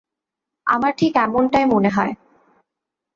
আমার ঠিক এমনটাই মনে হয়।